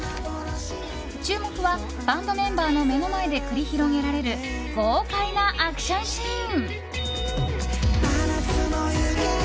注目は、バンドメンバーの目の前で繰り広げられる豪快なアクションシーン。